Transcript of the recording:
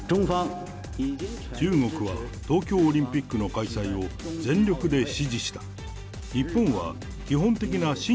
中国は東京オリンピックの開催を全力で支持した。